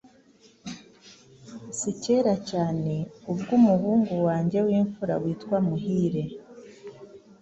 Si kera cyane ubwo umuhungu wanjye w’imfura witwa muhire,